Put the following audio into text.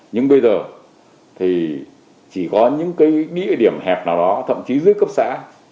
nhưng bây giờ thì chỉ có những cái địa điểm hẹp nào đó thậm chí dưới cấp xã